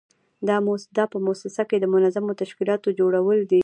دا په موسسه کې د منظمو تشکیلاتو جوړول دي.